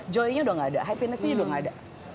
joy nya udah gak ada hafinessnya udah gak ada